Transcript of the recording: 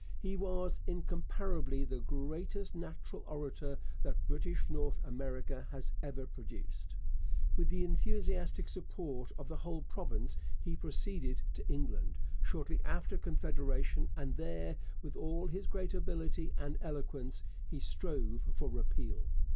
He was incomparably the greatest natural orator that British North America has ever produced. With the enthusiastic support of the whole province he proceeded to England, shortly after Confederation, and there, with all his great ability and eloquence, he strove for repeal.